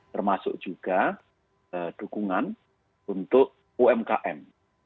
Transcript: termasuk juga dukungan untuk umkm